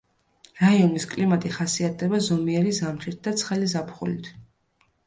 რაიონის კლიმატი ხასიათდება ზომიერი ზამთრით და ცხელი ზაფხულით.